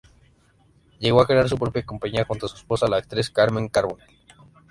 Llegó a crear su propia compañía junto a su esposa la actriz Carmen Carbonell.